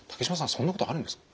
そんなことあるんですか？